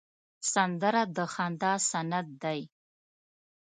سندره د خندا سند دی